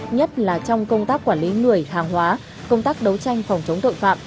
nhất là trong công tác quản lý người hàng hóa công tác đấu tranh phòng chống tội phạm